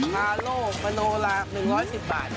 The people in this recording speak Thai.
ฮาโลมโนลา๑๑๐บาทครับ